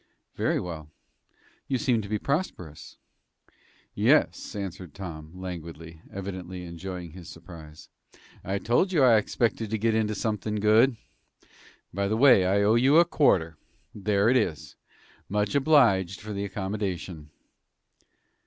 "Very well. You seem to be prosperous." "Yes," answered Tom, languidly, evidently enjoying his surprise. "I told you I expected to get into something good. By the way, I owe you a quarter there it is. Much obliged for the accommodation."